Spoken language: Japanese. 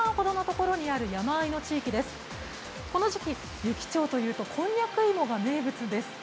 この時期、湯来町というとこんにゃく芋が名物です。